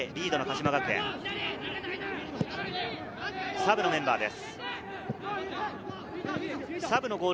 サブのメンバーです。